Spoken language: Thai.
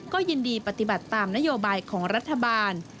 ก็ยินดีปฏิบัติตามนโยบายของรัฐบาล